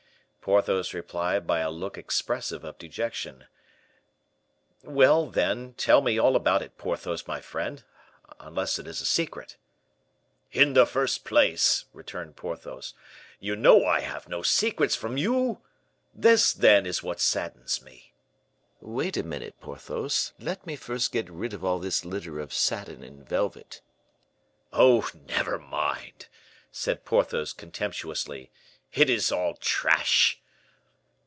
Porthos replied by a look expressive of dejection. "Well, then, tell me all about it, Porthos, my friend, unless it is a secret." "In the first place," returned Porthos, "you know I have no secrets from you. This, then, is what saddens me." "Wait a minute, Porthos; let me first get rid of all this litter of satin and velvet!" "Oh, never mind," said Porthos, contemptuously; "it is all trash."